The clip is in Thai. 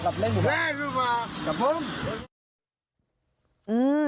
ครับผม